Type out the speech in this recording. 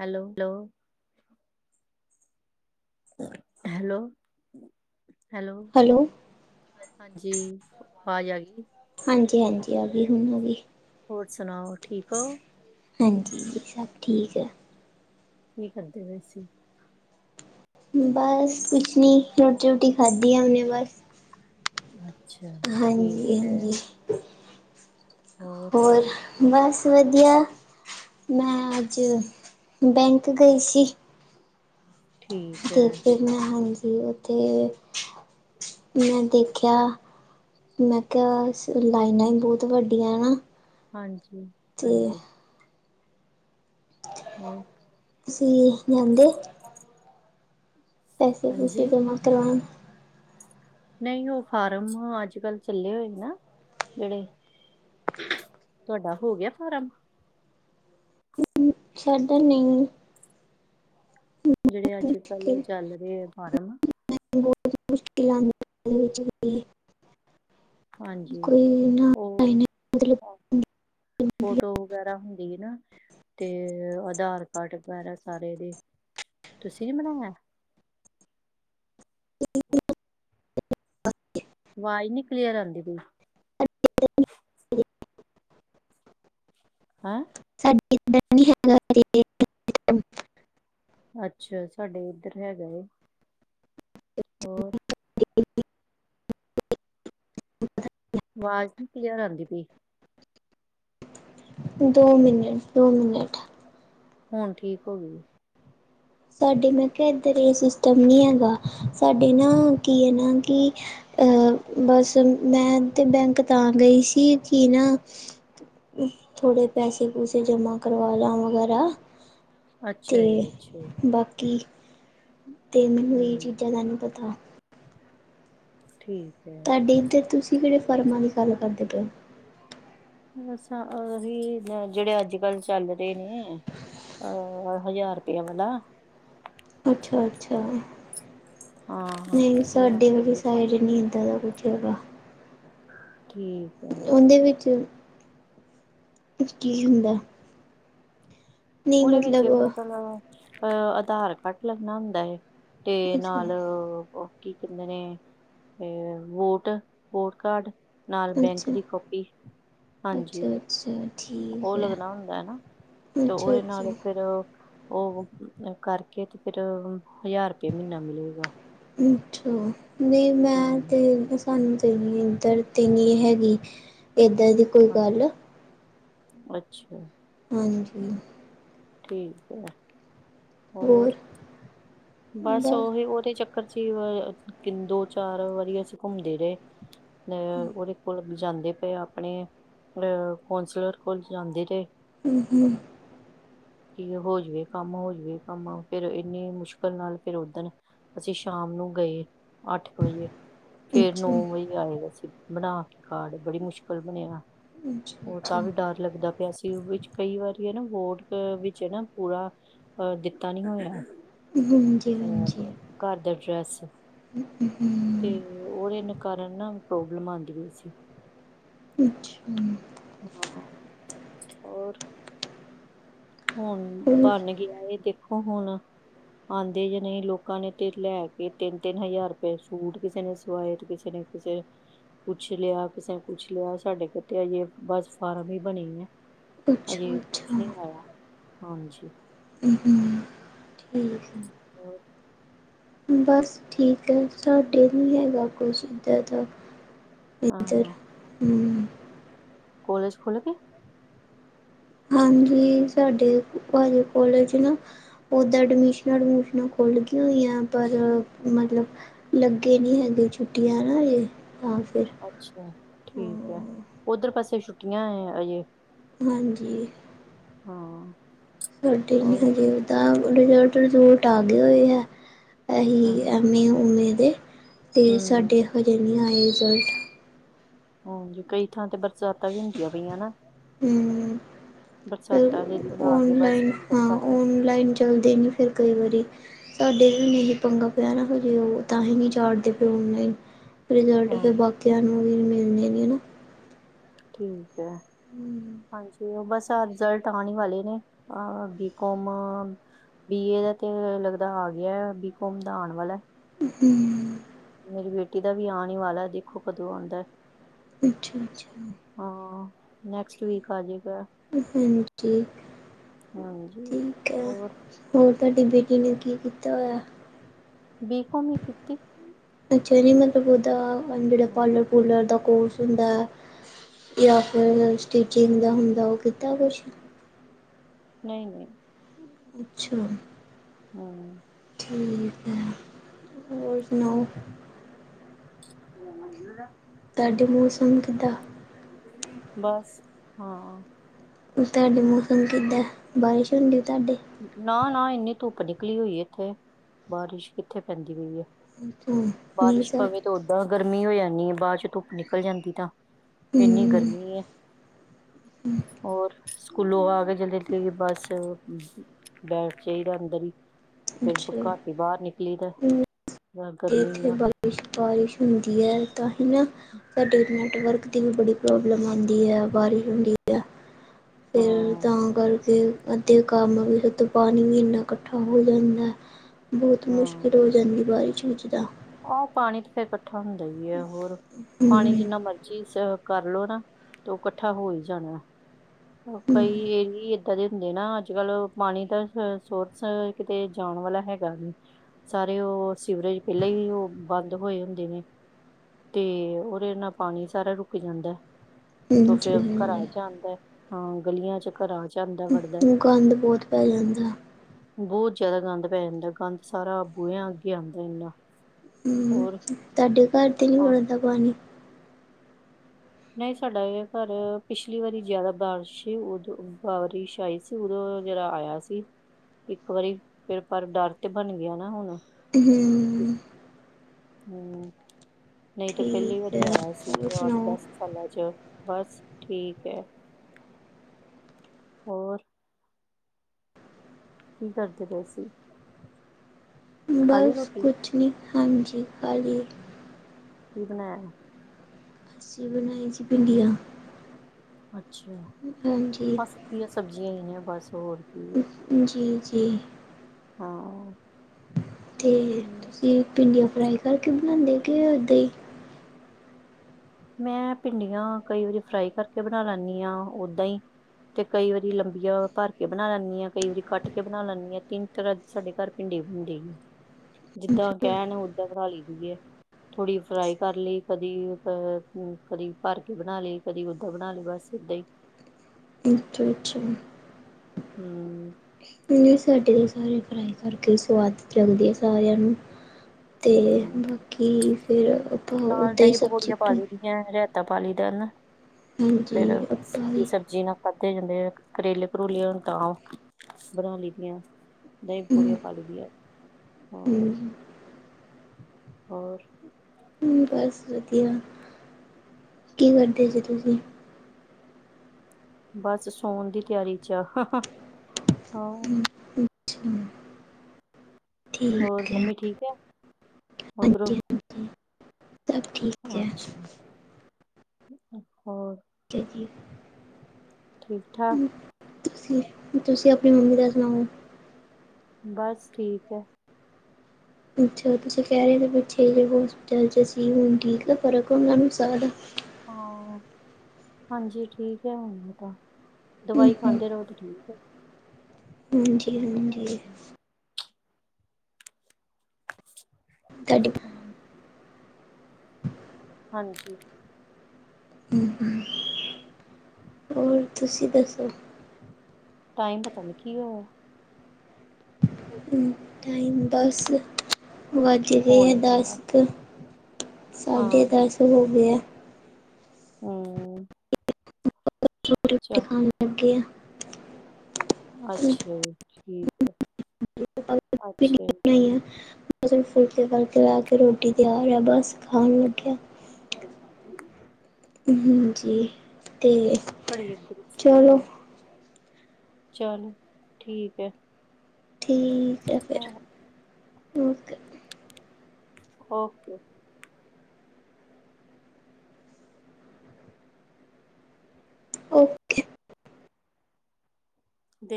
Hello ਲੋ hello hello hello ਹਾਂਜੀ ਵਾਜ਼ ਆ ਗੀ ਏ ਹਾਂਜੀ ਹਾਂਜੀ ਆ ਗਈ ਹੁਣ ਆ ਗਈ ਹੋਰ ਸੁਣਾਓ ਠੀਕ ਹੋ ਹਾਂਜੀ ਸਭ ਠੀਕ ਐ ਕੀ ਕਰਦੇ ਪਏ ਸੀ ਬਸ ਕੁੱਛ ਨੀ ਰੋਟੀ ਰੂਟੀ ਖਾਧੀ ਆ ਹੁਣੇ ਬਸ ਅੱਛਾ ਹਾਂਜੀ ਠੀਕ ਹੈ ਹਾਂਜੀ ਹੋਰ ਬਸ ਵਧੀਆ ਮੈਂ ਅੱਜ ਬੈਂਕ ਗਈ ਸੀ ਠੀਕ ਤੇ ਹੈ ਫਿਰ ਮੈਂ ਹਾਂਜੀ ਉਥੇ ਮੈਂ ਦੇਖਿਆ ਮੈਂ ਕਿਆ ਸ ਲਾਈਨਾਂ ਹੀ ਬਹੁਤ ਵੱਡੀਆਂ ਹਨਾ ਹਾਂਜੀ ਹਾਂਜੀ ਹਮ [unintelligible] ਪੈਸੇ - ਪੂਸੇ ਹਾਂਜੀ ਜਮ੍ਹਾਂ ਕਲਾਣ- ਨਹੀਂ, ਉਹ ਫਾਰਮ ਅੱਜ ਕੱਲ ਚੱਲੇ ਹੋਏ ਨਾ, ਜਿਹੜੇ- ਤੁਹਾਡਾ, ਹੋ ਗਿਆ ਫਾਰਮ? ਸਾਡਾ ਨਹੀਂ - ਜਿਹੜੇ ਅੱਜ ਕੱਲ ੳਹ ਚੱਲ ਰਹੇ ਆ ਫਾਰਮ- ਮੈਨੂੰ ਬਹੁਤ ਮੁਸ਼ਕਿਲਾਂ ਹਾਂਜੀ [unintelligible] ਕੋਈ ਨਾ ਉਹ [unintelligible] ਫੋਟੋ ਵਗੈਰਾ ਹੁੰਦੀ ਨਾ, ਤੇ ਆਧਾਰ ਕਾਰਡ ਵਗੈਰਾ ਸਾਰੇ ਦੇ - ਤੁਸੀਂ ਨੀ ਬਣਾਇਆ? ਇੱਕ [inaudible] ਵਾਜ਼ ਨੀ ਕਲੀਅਰ ਆਂਦੀ ਪਈ। ਹੈਂ। [unintelligible] ਅੱਛਾ, ਸਾਡੇ ਇੱਧਰ ਹੈਗਾ ਏ। ਹੋਰ [unintelligible] ਵਾਜ਼ ਨੀ ਕਲੀਅਰ ਆਂਦੀ ਪਈ। ਦੋ ਮਿਨਟ, ਦੋ ਮਿਨਟ ਹੁਣ, ਠੀਕ ਹੋ ਗਈ। ਸਾਡੇ ਮੈਂ ਕਿਹਾ ਇੱਧਰ ਇਹ ਸਿਸਟਮ ਨਹੀਂ ਹੈਗਾ। ਸਾਡੇ ਨਾ ਕੀ ਹੈ, ਨਾ ਕਿ ਅਹ ਬੱਸ ਮੈਂ ਤੇ ਬੈਂਕ ਤਾਂ ਗਈ ਸੀ। ਕੀਨਾ ਥੋੜੇ ਪੈਸੇ- ਪੂਸੇ ਜਮਾ ਕਰਵਾ ਲਾ ਵਗੈਰਾ, ਤੇ ਅੱਛਾ ਜੀ, ਅੱਛਾ ਜੀ ਬਾਕੀ, ਤੇ ਮੈਨੂੰ ਇਹ ਹਮ ਚੀਜ਼ਾਂ ਦਾ ਨੀਂ ਪਤਾ। ਠੀਕ ਏ। ਸਾਡੇ ਇੱਧਰ, ਤੁਸੀਂ ਕਿਹੜੇ ਫਰਮਾਂ ਦੀ ਗੱਲ ਕਰਦੇ ਪਏ ਓ। ਬੱਸ ਅਸਾ ਅਰੀਲ, ਜਿਹੜੇ ਅੱਜ ਕੱਲ੍ਹ ਚੱਲ ਰਹੇ ਨੇ। ਅ ਹਜਾਰ ਰੁਪਇਆ ਵਾਲਾ। ਅੱਛਾ-ਅੱਛਾ ਹਾਂ ਹਾਂ, ਨਹੀਂ, ਹਜ਼ਾਰ ਸਾਡੇ ਰੁਪਏ ਵਾਲੀ ਵਾਲਾ ਸਾਈਡ ਫਾਰਮ ਨਹੀਂ। ਇੱਦਾਂ ਦਾ ਕੁਝ ਹੈਗਾ। ਠੀਕ। ਹੈ ਓਦੇੰ ਵਿੱਚ। ਵਿੱਚ ਕੀ ਹੁੰਦਾ। ਨਹੀਂ ਉਹਦੇ ਵਿੱਚ ਮਤਲਬ ਮਤਲਬ ਅ ਆਧਾਰ ਕਾਰਡ ਲੱਗਣਾ ਹੁੰਦਾ ਐ। ਤੇ ਅੱਛਾ ਨਾਲ ਔ। ਕੀ ਕਹਿੰਦੇ ਨੇ, ਇਹ ਵੋਟ, ਵੋਟ ਕਾਰਡ ਨਾਲ ਬੈਂਕ ਅੱਛਾ ਦੀ ਕਾਪੀ, ਹਾਂਜੀ ਅੱਛਾ ਅੱਛਾ ਠੀਕ ਉਹ ਹੈ ਲੱਗਣਾ ਹੁੰਦਾ ਹੈਨਾ। ਅੱਛਾ ਉਹਦੇ ਅੱਛਾ ਨਾਲ ਫਿਰ। ਉਹ ਕਰਕੇ ਤੇ, ਫਿਰ ਹਜ਼ਾਰ ਰੁਪਏ ਮਹੀਨਾ ਮਿਲੇਗਾ। ਅੱਛਾ, ਨਹੀਂ ਮੈਂ ਹੂੰ ਤੇ- ਸਾਨੂੰ ਤੇ ਨਹੀਂ ਇੱਧਰ ਤੇ ਨਹੀਂ ਹੈਗੀ। ਇੱਦਾਂ ਦੀ ਕੋਈ ਗੱਲ। ਅੱਛਾ। ਹਾਂਜੀ। ਠੀਕ ਐ। ਹੋਰ- ਬੱਸ ਬਸ ਓਹੀ ਉਹਦੇ ਚੱਕਰ ਚ ਹੀ ਦੋ ਚਾਰ ਵਾਰੀ, ਅਸੀਂ ਘੁੰਮਦੇ ਰਹੇ। ਅ ਉਹਦੇ ਕੋਲ ਜਾਂਦੇ ਪਏ ਆਪਣੇ, ਅਹ ਕੌਂਸਲਰ ਕੋਲ ਜਾਂਦੇ ਤੇ। ਹੂੰ-ਹੂੰ, ਕੀ ਹੋ ਜਾਵੇ ਕੰਮ ਹੋ ਜਾਵੇ ਕੰਮ ਫੇਰ ਇੰਨੀ ਮੁਸ਼ਕਲ ਫਿਰ ਨਾਲ ਫਿਰ ਉਧਣ, ਅਸੀਂ ਸ਼ਾਮ ਨੂੰ ਗਏ ਅੱਠ ਕੁ ਵਜੇ। ਫੇਰ ਨੌ ਅੱਛਾ ਵਜੇ ਆਏ ਅਸੀ, ਬਣਾ ਕੇ ਕਾਰਡ ਬੜੀ ਮੁਸ਼ਕਲ ਬਣਿਆ। ਅੱਛਾ ਉਹ ਅੱਛਾ ਤਾਂ ਵੀ ਡਰ ਲੱਗਦਾ ਪਿਆ ਸੀ ਉਹ ਵਿੱਚ ਕਈ ਵਾਰੀ ਨਾ ਵੋਟ ਵਿੱਚ ਨਾ ਪੂਰਾ ਪਰ ਦਿੱਤਾ ਨੀ ਹੋਇਆ। ਹੂੰ, ਹੋਰ, ਘਰ ਦਾ ਐਡਰੈਸ ਹੂੰ, ਤੇ ਉਹਦੇ ਕਾਰਨ ਨਾ ਪ੍ਰੋਬਲਮ ਆਦੀ ਪਈ ਸੀ। ਅੱਛਾ, ਹਾਂ, ਹੋਰ ਹੁਣ ਹੋਰ ਬਣ ਗਿਆ ਇਹ ਦੇਖੋ ਹੁਣ ਆਦੇ ਜਾਂ ਨੀ ਲੋਕਾਂ ਨੇ ਤੇ ਲੈ ਕੇ ਤਿੰਨ-ਤਿੰਨ ਹਜ਼ਾਰ ਰੁਪਏ ਸੂਟ ਕਿਸੇ ਨੇ ਸਵਾਏ ਤੇ ਕਿਸੇ ਨੇ ਕਿਸੇ ਕੁਛ ਲਿਆ ਕਿਸੇ ਨੇ ਕੁਛ ਲਿਆ ਸਾਡੇ ਕਿਤੇ ਆਜੇ ਬਸ ਫਾਰਮ ਈ ਬਣੀ ਐ। ਅੱਛਾ ਅਜੇ ਕੁਛ ਅੱਛਾ ਨੀ ਆਇਆ ਹਾਂਜੀ। ਹੂੰ-ਹੂੰ, ਠੀਕ ਐ। ਹਾਂ, ਬਸ, ਠੀਕ ਐ ਸਾਡੇ ਨੀ ਹੈਗਾ ਕੁਛ ਏਦਾਂ ਦਾ। ਹਾਂ-ਹਾਂ, ਹੂੰ, ਕੋਲਜ ਖੁੱਲ ਗੇ? ਹਾਂਜੀ ਸਾਡੇ ਕੋਲਜ ਚ ਨਾ ਉਹਦਾਂ ਅਡਮਿਸ਼ਨਾਂ-ਅਡਮੁਸ਼ਨਾਂ ਖੁੱਲ੍ਹਗੀਆਂ ਹੋਈਆਂ ਪਰ ਮਤਲਬ ਲੱਗੇ ਨੀ ਹੈਗੇ ਛੁੱਟੀਆਂ ਨਾ ਹਜੇ ਫਿਰ ਅੱਛਾ ਠੀਕ ਐ, ਹਾਂ ਉੱਧਰ ਪਾਸੇ ਛੁੱਟੀਆਂ ਐ ਅਜੇ ਹਾਂਜੀ, ਹਾਂ, [unintelligible] ਆ ਗਏ ਹੋਰ ਹੋਏ ਐ। ਐਸੀ ਹਾਂ [unintelligible] ਐੱਮ ਏ ਉਮੇ ਦੇ, ਤੇ ਹਮ ਸਾਡੇ ਹਲੇ ਨੀ ਆਏ ਰਿਜ਼ਲਟ ਹਾਂਜੀ ਕਈ ਥਾਂ ਤੇ ਬਰਸਾਤਾਂ ਵੀ ਹੁੰਦੀਆਂ ਪਈਆ ਨਾ। ਹਮ ਬਰਸਾਤਾਂ ਦੇ ਫਿਰ ਦਿਨ ਆ ਗਏ ਬਸ ਔਨਲਾਈਨ ਹੁਣ ਹਾਂ ਬਰਸਾਤ ਔਨਲਾਈਨ ਚੱਲਦੇ ਨੀ ਫਿਰ ਕਈ ਵਾਰੀ। ਸਾਡੇ ਵੀ ਐਹੀ ਪੰਗਾ ਪਿਆ ਨਾ ਹਜੇ ਉਹ ਤਾਂਹੀ ਨੀ ਚਾੜਦੇ ਪਏ ਔਨਲਾਈਨ ਰਿਜ਼ਲਟ ਹਾਂ ਤਾਂ ਬਾਕੀਆਂ ਨੂੰ ਵੀ ਮਿਲਦੇ ਨੇ ਠੀਕ ਐ, ਹਾਂਜੀ ਉਹ ਬਸ ਤਾਂ ਰਿਜ਼ਲਟ ਆਣ ਵਾਲੇ ਨੇ, ਆ ਬੀ ਕੌਮ ਬੀ ਏ ਤੇ ਲੱਗਦਾ ਆ ਗਿਆ ਬੀ ਕੋਮ ਆਣ ਵਾਲਾ ਐ। ਹੂੰ, ਮੇਰੀ ਬੇਟੀ ਦਾ ਵੀ ਆਣ ਈ ਵਾਲਾ ਐ ਦੇਖੋ ਕਦੋਂ ਆਦਾ ਐ। ਅੱਛਾ-ਅੱਛਾ, ਹਾਂ, ਨੈਕਸਟ ਵੀਕ ਆਜੁਗਾ। ਹਾਂਜੀ ਹਾਂਜੀ ਠੀਕ ਐ। ਹੋਰ ਹੋਰ ਤੁਆਡੀ ਬੇਟੀ ਨੇ ਕੀ ਕੀਤਾ ਹੋਇਆ। ਬੀਕੌਮ ਈ ਕੀਤੀ। [unintelligible] ਹੁੁਨਰਦਾ ਕੋਰਸ ਹੁੰਦਾ ਐ, ਜਾਂ ਫੇਰ ਟੀਚਿੰਗ ਦਾ ਹੁੰਦਾ ਓ ਕੀਤਾ ਕੁਛ। ਨਈ ਨਈ। ਅੱਛਾ। ਹਾਂ ਠੀਕ ਐ, ਹੋਰ ਸੁਣਾਓ। [unintelligible] ਤਾਡੇ ਮੌਸਮ ਕਿੱਦਾਂ? ਬਸ- ਹਾਂ। ਤਾਡੇ ਮੌਸਮ ਕਿੱਦਾਂ, ਬਾਰਿਸ਼ ਹੁੰਦੀ ਤਾਡੇ। ਨਾ- ਨਾ ਏਨੀ ਧੁੱਪ ਨਿਕਲੀ ਹੋਈ ਏਥੇ, ਬਾਰਿਸ਼ ਕਿੱਥੇ ਪੈਂਦੀ ਪਈ ਏ। ਅੱਛਾ ਨਈ ਸਰ ਤੇ ਓਦਾਂ ਗਰਮੀ ਹੋ ਜਾਨੀ ਏ, ਬਾਦ 'ਚ ਧੁੱਪ ਨਿਕਲ ਜਾਂਦੀ ਤਾਂ, ਏਨੀ ਹਮ ਗਰਮੀ ਏ। ਔਰ ਸਕੂਲੋਂ ਆ ਕੇ ਜਲਦੀ ਲੇਟੀਏ ਬਸ। ਬੈਠ ਜਾਈਦਾ ਅੰਦਰ ਈ। ਫੇਰ ਬੀ ਅੱਛਾ ਘੱਟ ਈ ਬਾਰ ਨਿਕਲੀ ਦਾ, ਨਾ ਗਰਮੀ ਨਾ। ਕੁੁ ਬਾਰਿਸ਼ ਹੁੰਦੀ ਐ, ਤਾਂ ਹੀ ਨਾ ਸਾਡੇ ਓ ਨੈਟਵਰਕ ਦੀ ਵੀ ਬੜੀ ਪ੍ਰੋਬਲਮ ਆਂਦੀ ਐ, ਬਾਰਿਸ਼ ਹੁੰਦੀ ਐ। ਫੇਰ ਹਾਂ ਤਾਂ ਕਰਕੇ ਅੱਧੇ ਕੰਮ ਵੀ ਉਤੋ ਪਾਣੀ ਵੀ ਏਨਾ ਕੱਠਾ ਹੋ ਜਾਂਦਾ, ਬੋਤ ਮੁਸ਼ਕਿਲ ਹੋ ਜਾਂਦੀ, ਬਾਰਸ਼ ਵਿੱਚ ਤਾਂ ਔ ਪਾਣੀ ਤਾਂ ਫੇਰ ਕੱਠਾ ਹੁੰਦਾ ਈ ਏ। ਹੋਰ ਪਾਣੀ ਹਮ ਜਿੰਨਾ ਮਰਜ਼ੀ ਕਰਲੋ ਨਾ, ਤੋ ਓ ਕੱਠਾ ਹੋ ਈ ਜਾਣਾ, ਕਈ ਏ ਹੀ ਏ ਤਦੇ ਹੁੰਦੇ ਨਾ। ਅੱਜ ਕੱਲ ਪਾਣੀ ਦਾ ਸੋਰਸ ਕਿਤੇ ਜਾਣ ਵਾਲਾ ਹੈਗਾ ਨੀ। ਸਾਰੇ ਓ ਸੀਵਰੇਜ ਪੈਲਾਂ ਈ ਓ ਬੰਦ ਹੋਏ ਹੁੰਦੇ ਨੇ। ਤੇ ਓਦੇ ਨਾਲ ਪਾਣੀ ਸਾਰਾ ਰੁਕ ਜਾਂਦਾ, ਤੇ ਫੇਰ ਘਰ ਹਾਂਜੀ 'ਚ ਆਂਦਾ। ਹਾਂ ਗਲੀਆਂ 'ਚ। ਘਰਾਂ ਚ ਆਂਦਾ। ਊੰ ਹੂੰ ਗੰਦ ਬੋਤ ਪੈ ਜਾਂਦਾ। ਬੋਤ ਜ਼ਾਦਾ ਗੰਦ ਪੈ ਜਾਂਦਾ, ਗੰਦ ਸਾਰਾ ਬੂਇਆਂ ਅੱਗੇ ਆਂਦਾ ਏਨਾ। ਹੂੰ ਤਾਡੇ ਘਰ ਤੇ ਨੀ ਹਾਂ ਵੜਦਾ ਪਾਣੀ। ਨਈ ਸਾਡਾ ਏ ਘਰ ਪਿਛਲੀ ਵਰੀ ਜ਼ਾਦਾ ਬਾਰਿਸ਼ ਸੀ, ਓਦੋਂ ਬਾਰਿਸ਼ ਆਈ ਸੀ। ਉਦੋਂ ਜਰਾ ਆਇਆ ਸੀ। ਇੱਕ ਵਾਰੀ ਫੇਰ ਪਰ ਡਰ ਤੇ ਬਣ ਗਿਆ ਨਾ ਹੁਣ। ਹੂੰਅ। ਹੂੰ ਊ ਨਈ ਤੇ ਪੈਲੀ ਠੀਕ ਹੈ ਵਰੀ ਆਇਆ ਸੀ, ਹੋਰ ਅੱਠ ਸੁਣਾਓ? ਦਸ ਸਾਲਾਂ 'ਚ। ਬਸ ਠੀਕ ਐ। ਹੋਰ। ਕੀ ਕਰਦੇ ਪਏ ਸੀ? ਖਾਲੀ ਬਸ ਰੋਟੀ ਕੁਛ ਨੀ ਹਾਂਜੀ, ਖਾ ਲੀ ਏ। ਕੀ ਬਣਾਇਆ। ਸੀ ਬਣਾਈ ਸੀ ਭਿੰਡੀਆਂ। ਅੱਛਾ ਹਾਂਜੀ ਬਸ ਸੁੱਕੀਆ ਸਬਜ਼ੀਆਂ ਨੇ ਬਸ ਹੋਰ। ਕੀ ਹੈ ਹੂੰ, ਜੀ- ਜੀ। ਹਾਂ। ਤੇ, ਤੁਸੀਂ ਭਿੰਡੀਆ ਫਰਾਈ ਕਰਕੇ ਬਣਾਂਦੇ, ਕੇ ਓਦਾ ਈ? ਮੈਂ ਭਿੰਡੀਆਂ ਕਈ ਵਾਰੀ ਫਰਾਈ ਕਰਕੇ ਬਣਾ ਲੈਂਣੀ ਆ ਓਦਾਂ ਈ ਤੇ ਕਈ ਵਾਰੀ ਲੰਬੀਆਂ ਭਰ ਕੇ ਬਣਾ ਲੈਂਨੀ ਆ, ਕਈ ਵਾਰੀ ਕੱਟ ਕੇ ਬਣਾ ਲੈਂਨੀ ਆ ਤਿਨ ਤਰਾਂ ਦੀ ਸਾਡੇ ਘਰ ਭਿੰਡੀ ਬਣਦੀ ਹੈਗੀ। ਜਿੱਦਾਂ ਓ ਕੈਂਨ ਓਦਾਂ ਬਣਾਂ ਲਈ ਦੀ ਏ, ਥੋੜ੍ਹੀ ਫਰਾਈ ਕਰ ਲਈ ਕਦੀ ਅ ਹੂੰ ਕਦੀ ਭਰ ਕੇ ਬਣਾ ਲਈ, ਕਦੀ ਓਦਾਂ ਬਣਾ ਲਈ ਬਸ ਏਦਾਂ ਈ। ਅੱਛਾ-ਅੱਛਾ। ਹੂੰ। ਨਹੀ ਸਾਡੇ ਤੋਂ ਸਾਰੇ ਫਰਾਈ ਕਰਕੇ ਈ ਸਵਾਦ ਚ ਆਂਦੀ ਏ ਸਾਰਿਆਂ ਨੂੰ, ਤੇ ਹੂੰ ਬਾਕੀ ਫਿਰ ਆਪਾਂ ਓਦਾਂ ਈ ਸਬਜੀ ਬਣਾ ਨਾਲ ਰੈਤਾ ਪਾ ਲਈ ਦਾ ਨਾ ਫੇਰ ਹਾਂਜੀ ਆਪਾਂ ਸੁੱਕੀ ਵੀ ਸਬਜ਼ੀ ਨਾਲ ਖਾਦੇ ਜਾਂਦੇ ਆ, ਕਰੇਲੇ- ਕਰੂਲੇ ਹੋਨ ਤਾਂ ਓ ਬਣਾ ਲਈ ਦੀਆਂ, ਦਹੀਂ ਹਮ ਪਕੌੜਿਆਂ ਪਾਲੀ ਦੀਆਂ, ਹੂੰ। ਹੋਰ? ਹਮ ਬਸ ਵਧੀਆ, ਕੀ ਕਰਦੇ ਸੀ ਤੁਸੀਂ? ਬਸ ਸੋਨ ਦੀ ਤਿਆਰੀ ਚ ਆ, ਹਾਹਾ, ਹਾਂ। ਅੱਛਾ ਹੋਰ ਠੀਕ ਹੈ ਮੰਮੀ ਠੀਕ ਐ, ਓਧਰੋਂ? ਹਾਂਜੀ ਹਾਂਜੀ ਸਭ ਠੀਕ ਹੈ ਅੱਛਾ, ਹੋਰ? ਠੀਕ ਐ ਜੀ। ਠੀਕ- ਠਾਕ। ਤੁਸੀਂ ਤੁਸੀਂ ਅਪਣੀ ਮੰਮੀ ਦਾ ਸੁਣਾਓ? ਬਸ ਠੀਕ ਐ। ਅੱਛਾ ਤੁਸੀਂ ਕੈ ਰੇ ਪਿੱਛੇ ਜੇ ਹਾਸਪਿਟਲ ਚ ਸੀ, ਹੁਣ ਠੀਕ ਆ ਫਰਕ ਆ ਉਨਾਂ ਨੂੰ ਸਾਹ ਦਾ? ਹਾਂ, ਹਾਂਜੀ ਠੀਕ ਐ ਹੁਣ ਤਾਂ, ਹਮ, ਦਵਾਈ ਖਾਂਦੇ ਰਓ ਤੇ ਠੀਕ ਏ। ਹਾਂਜੀ-ਹਾਂਜੀ। ਤੁਆਡੀ [inaudible] ਹਾਂਜੀ। ਹੂੰ, ਹੋਰ ਤੁਸੀਂ ਦਸੋ? ਟਾਈਮ ਪਤਾ ਨੀ ਕੀ ਹੋਇਆ? ਹੂੰ, ਟਾਈਮ ਦਸ, ਵੱਜ ਗਏ ਐ ਹੋਣੇ ਦਸ ਵਾਲਾ ਕੁ ਸਾਢੇ ਹਾਂ ਦਸ ਹੋ ਗੇ ਐ। ਹੂੰ। ਚਲ ਓਕੇ। ਅੱਛਾ ਜੀ ਠੀਕ ਏ, ਪਾਪਾ ਵੀ ਨਹੀਂ ਅੱਛਾ ਜੀ। ਬਣਾਈ ਆ ਬਸ ਹੁਨ ਫੁਲਕੇ-ਫਾਲਕੇ ਲਾ ਕੇ ਰੋਟੀ ਤਿਆਰ ਐ ਬਸ, ਖਾਨ ਲੱਗੇ ਆ। ਸਈ ਗਲ ਏ। ਹਾਂਜੀ ਤੇ ਘੜੀ ਅੱਗੇ ਪਿੱਛੇ ਨਾ ਹੋਏ, ਚਲ ਠੀਕ ਏ। ਠੀਕ ਏ ਫੇਰ। ਓਕੇ। ਓਕੇ ਦੇ